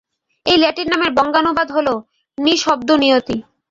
এই ল্যাটিন নামের বঙ্গানুবাদ হল-নিঃশব্দুনিয়তি।